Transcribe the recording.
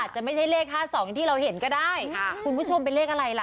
จะไม่ใช่เลข๕๒ที่เราเห็นก็ได้คุณผู้ชมเป็นเลขอะไรล่ะ